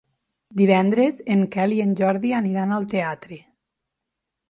Divendres en Quel i en Jordi aniran al teatre.